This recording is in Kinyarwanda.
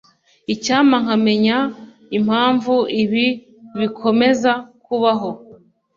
Icyampa nkamenya impamvu ibi bikomeza kubaho.